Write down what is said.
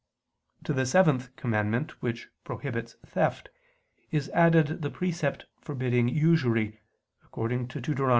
To the seventh commandment which prohibits theft, is added the precept forbidding usury, according to Deut.